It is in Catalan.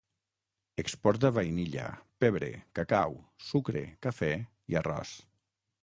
Exporta vainilla, pebre, cacau, sucre, cafè i arròs.